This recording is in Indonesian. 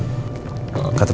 kata pemilik warung